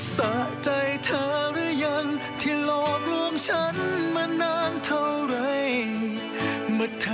สะใจเธอหรือยังที่หลอกลวงฉันมานานเท่าไร